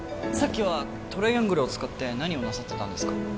さっきはトライアングルを使って何をなさってたんですか？